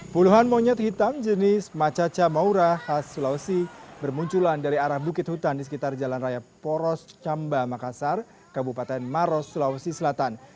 puluhan monyet hitam jenis macaca maura khas sulawesi bermunculan dari arah bukit hutan di sekitar jalan raya poros camba makassar kabupaten maros sulawesi selatan